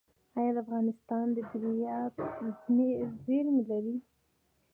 آیا افغانستان د بیرایت زیرمې لري؟